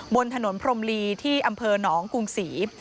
บนถนนพรมลีที่อำเภอหนองกรุงศรี